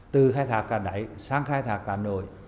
từ khai thác cả đáy sang khai thác cả nổi